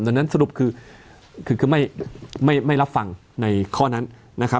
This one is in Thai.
ดังนั้นสรุปคือไม่รับฟังในข้อนั้นนะครับ